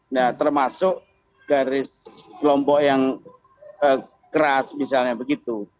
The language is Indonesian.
nah termasuk garis kelompok yang keras misalnya begitu